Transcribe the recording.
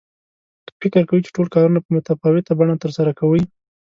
که فکر کوئ چې ټول کارونه په متفاوته بڼه ترسره کوئ.